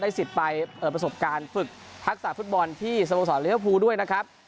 ได้สิทธิ์ไปเอ่อประสบการณ์ฟึกภาคสาธุฟุตบอลที่สมศัฏรัฐภูร์ด้วยนะครับ